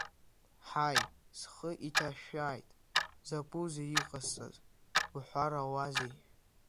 Ҳаи, схы иҭашәааит, закәызеи иҟасҵаз уҳәарауазеи!